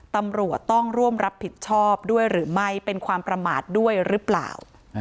ตำรวจต้องร่วมรับผิดชอบด้วยหรือไม่เป็นความประมาทด้วยหรือเปล่า